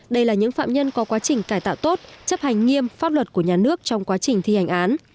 đây là những phạm nhân có quá trình cải tạo tốt chấp hành nghiêm pháp luật của nhà nước trong quá trình thi hành án